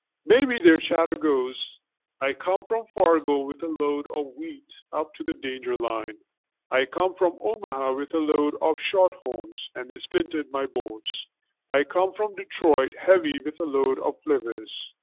Maybe their chatter goes:I came from Fargo with a load of wheat up to the danger line.I came from Omaha with a load of shorthorns and they splintered my boards.I came from Detroit heavy with a load of flivvers.